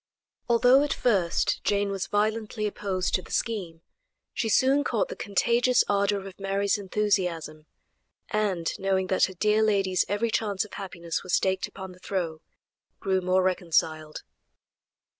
Although at first Jane was violently opposed to the scheme, she soon caught the contagious ardor of Mary's enthusiasm, and knowing that her dear lady's every chance of happiness was staked upon the throw, grew more reconciled.